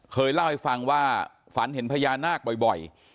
เคยเล่าให้ฟังว่าฝันเห็นพญานาคบ่อย